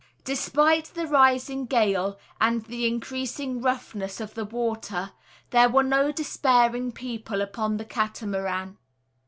Despite the rising gale and the increasing roughness of the water, there were no despairing people upon the Catamaran.